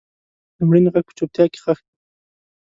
د مړینې غږ په چوپتیا کې ښخ دی.